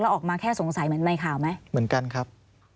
ออกมาแค่สงสัยเหมือนในข่าวไหมเหมือนกันครับ